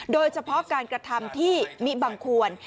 โดยเฉพาะการกระทำที่มิบังควร